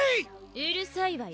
うるさいわよ